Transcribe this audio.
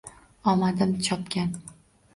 Omadim chopgan.